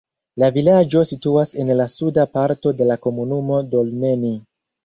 La vilaĝo situas en la suda parto de la komunumo Dolneni.